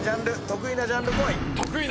得意なジャンルこい！